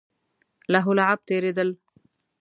لهو لعب تېرېدل.